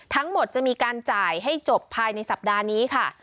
ทั้งหมดจะมีการจ่ายให้จบภายในสัปดาห์นี้ค่ะ